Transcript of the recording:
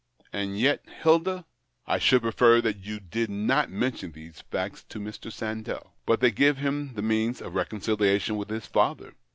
And yet, Hilda, I should prefer that you did not mention these facts to Mr. Sandell." " But they give him the means of recon ciliation with his father."